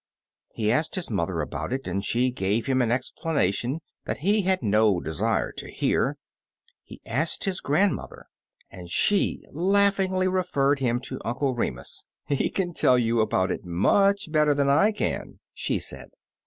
He asked his mother about it, and she gave him an explanation that he had no desire to hear; he asked his grandmother, and she laughingly referred him to Uncle Remus. ''He can tell you about it much better than I can," she said.